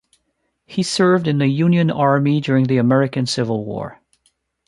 He served in the Union Army during the American Civil War.